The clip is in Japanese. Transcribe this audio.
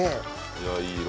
いやいい色。